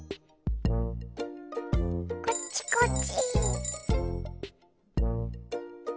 こっちこっち。